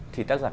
thì tác giả